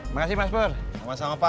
perasaan dari tadi yang marut kelapa